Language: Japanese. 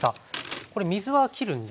これ水は切るんですか？